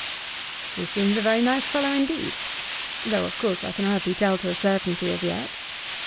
'He seems a very nice fellow indeed; though of course I can hardly tell to a certainty as yet.